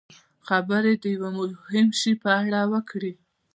خبرې د یوه مهم شي په اړه وکړي.